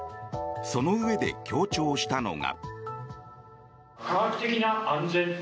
そのうえで強調したのが。